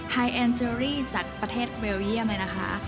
แอนเจอรี่จากประเทศเบลเยี่ยมเลยนะคะ